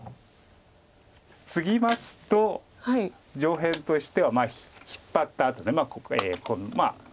ツギますと上辺としては引っ張ったあとここまあ。